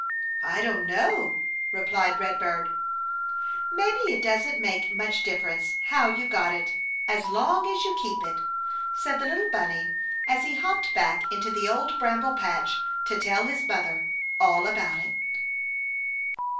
"I don't know," replied Red Bird. "Maybe it doesn't make much difference how you got it, as long as you keep it," said the little bunny as he hopped back into the Old Bramble Patch to tell his mother all about it.